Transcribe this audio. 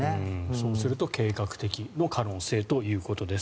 そうすると計画的の可能性ということです。